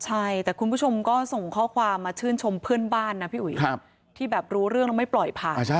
ใช่แต่คุณผู้ชมก็ส่งข้อความมาชื่นชมเพื่อนบ้านนะพี่อุ๋ยที่แบบรู้เรื่องแล้วไม่ปล่อยผ่าน